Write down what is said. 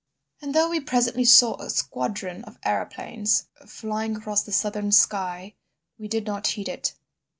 "And though we presently saw a squadron of aeroplanes flying across the southern sky we did not heed it.